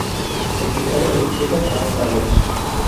El tejado es de tejas a dos aguas.